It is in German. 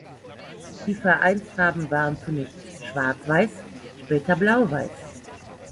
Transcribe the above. Die Vereinsfarben waren zunächst Schwarz-Weiß, später Blau-Weiß.